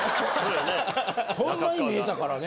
ほんまに見えたからね